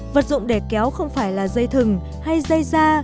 vật dụng để kéo không phải là dây thừng hay dây da